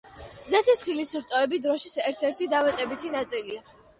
ზეთისხილის რტოები დროშის ერთ-ერთი დამატებითი ნაწილია.